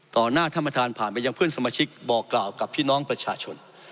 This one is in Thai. หน้าท่านประธานผ่านไปยังเพื่อนสมาชิกบอกกล่าวกับพี่น้องประชาชน